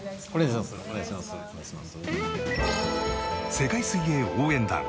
世界水泳応援団